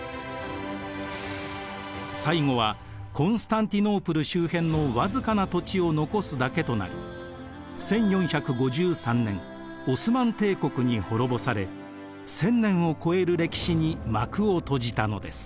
最後はコンスタンティノープル周辺の僅かな土地を残すだけとなり１４５３年オスマン帝国に滅ぼされ１，０００年を超える歴史に幕を閉じたのです。